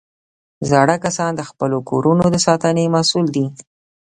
زاړه کسان د خپلو کورو د ساتنې مسؤل دي